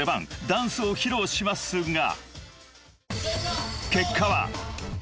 ダンスを披露しますが］